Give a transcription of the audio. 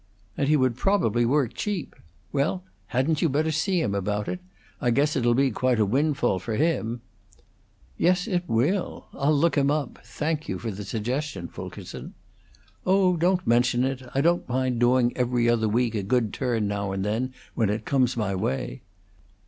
"And he would probably work cheap. Well, hadn't you better see him about it? I guess it 'll be quite a windfall for him." "Yes, it will. I'll look him up. Thank you for the suggestion, Fulkerson." "Oh, don't mention it! I don't mind doing 'Every Other Week' a good turn now and then when it comes in my way."